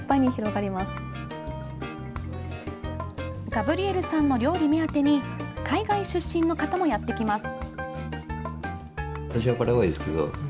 ガブリエルさんの料理目当てに海外出身の方もやってきます。